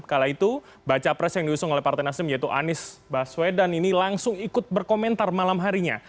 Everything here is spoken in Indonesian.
kala itu baca pres yang diusung oleh partai nasdem yaitu anies baswedan ini langsung ikut berkomentar malam harinya